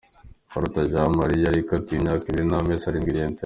Karuta Jean Marie yari katiwe imyaka ibiri n’amezi arindwi, Lt.